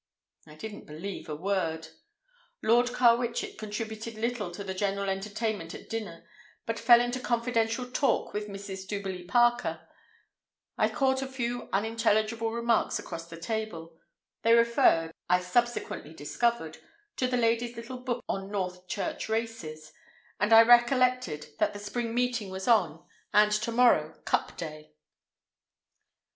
I didn't believe a word. Lord Carwitchet contributed little to the general entertainment at dinner, but fell into confidential talk with Mrs. Duberly Parker. I caught a few unintelligible remarks across the table. They referred, I subsequently discovered, to the lady's little book on Northchurch races, and I recollected that the Spring Meeting was on, and to morrow "Cup Day."